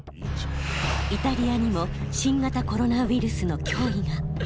イタリアにも新型コロナウイルスの脅威が。